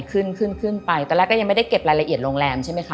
ขึ้นขึ้นขึ้นไปตอนแรกก็ยังไม่ได้เก็บรายละเอียดโรงแรมใช่ไหมคะ